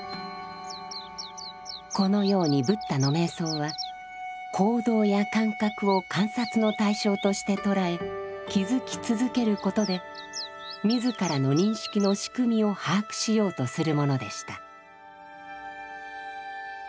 このようにブッダの瞑想は行動や感覚を観察の対象として捉え気づき続けることで自らの認識の仕組みを把握しようとするものでした。